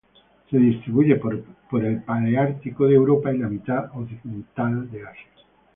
Se distribuye por el paleártico de Europa y la mitad occidental de Asia.